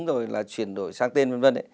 rồi là chuyển đổi sang tên v v